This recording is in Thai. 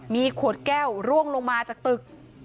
มีขวดแก้วร่วงลงมาจากตึก